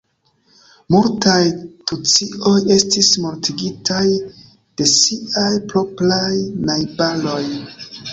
Multaj tucioj estis mortigitaj de siaj propraj najbaroj.